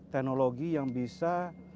teknologi yang bisa